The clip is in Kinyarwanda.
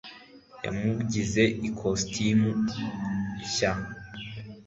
yamugize ikositimu nshya